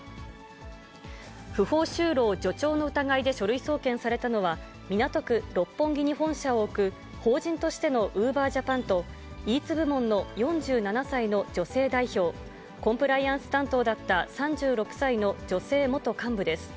不法就労助長の疑いで書類送検されたのは、港区六本木に本社を置く、法人としてのウーバージャパンと、イーツ部門の４７歳の女性代表、コンプライアンス担当だった３６歳の女性元幹部です。